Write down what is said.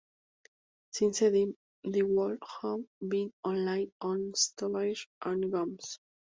Since then, the two have been the only ones to air any games.